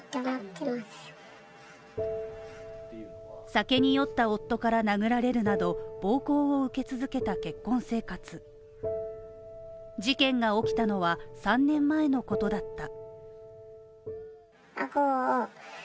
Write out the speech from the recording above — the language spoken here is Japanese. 酒に酔った夫から殴られるなど暴行を受け続けた結婚生活事件が起きたのは３年前のことだった。